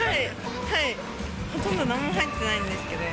ほとんどなんも入ってないんですけども。